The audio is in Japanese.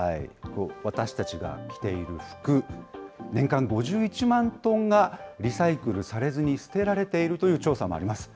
私たちが着ている服、年間５１万トンがリサイクルされずに捨てられているという調査もあります。